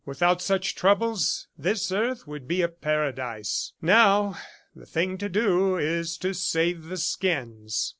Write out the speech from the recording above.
"Without such troubles, this earth would be a paradise. ... Now, the thing to do is to save the skins!"